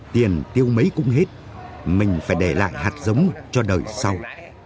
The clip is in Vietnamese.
tiền tiêu mấy cũng hết mình phải để lại hạt giống cho đời sau